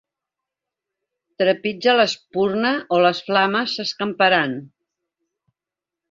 Trepitja l'espurna o les flames s'escamparan.